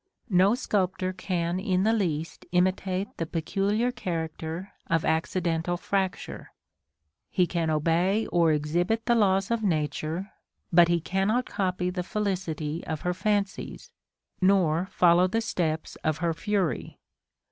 No sculptor can in the least imitate the peculiar character of accidental fracture: he can obey or exhibit the laws of nature, but he cannot copy the felicity of her fancies, nor follow the steps of her fury.